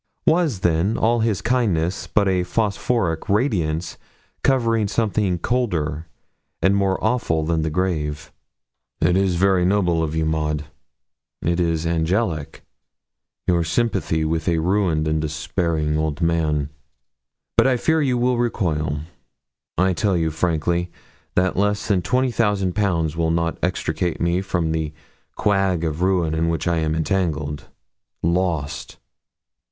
Was, then, all his kindness but a phosphoric radiance covering something colder and more awful than the grave? 'It is very noble of you, Maud it is angelic; your sympathy with a ruined and despairing old man. But I fear you will recoil. I tell you frankly that less than twenty thousand pounds will not extricate me from the quag of ruin in which I am entangled lost!'